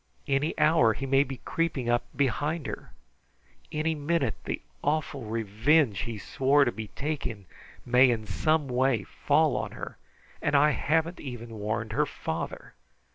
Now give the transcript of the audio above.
Any hour he may be creeping up behind her! Any minute the awful revenge he swore to be taking may in some way fall on her, and I haven't even warned her father.